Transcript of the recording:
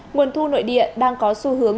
nguồn thu nội địa đang có xu hướng